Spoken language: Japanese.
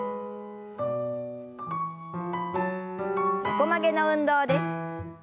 横曲げの運動です。